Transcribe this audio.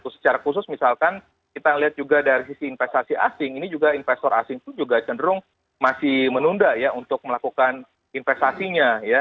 secara khusus misalkan kita lihat juga dari sisi investasi asing ini juga investor asing itu juga cenderung masih menunda ya untuk melakukan investasinya ya